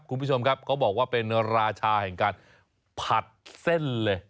คุณผู้ชมครับเขาบอกว่าเป็นราชาแห่งการผัดเส้นเลย